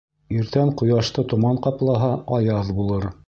Иртән ҡояшты томан ҡаплаһа, аяҙ булыр.